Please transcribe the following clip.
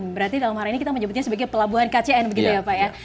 berarti dalam hal ini kita menyebutnya sebagai pelabuhan kcn begitu ya pak ya